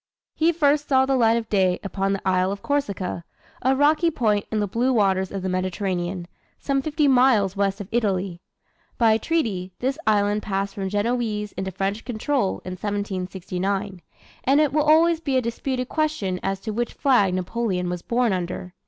He first saw the light of day upon the isle of Corsica, a rocky point in the blue waters of the Mediterranean, some fifty miles west of Italy. By treaty, this island passed from Genoese into French control in 1769; and it will always be a disputed question as to which flag Napoleon was born under.